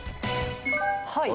はい。